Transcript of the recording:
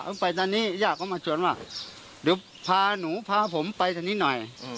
ผมไปตอนนี้ย่าเขามาชวนว่าเดี๋ยวพาหนูพาผมไปทางนี้หน่อย